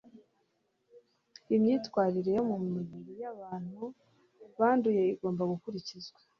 imyitwarire yo mumibiri yabantu banduye igomba gukurikizwa